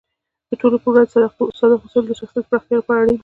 د ټولو په وړاندې صادق اوسیدل د شخصیت پراختیا لپاره اړین دی.